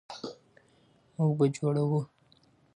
موږ به جوړوو.